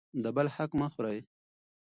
د بل حق مه خورئ.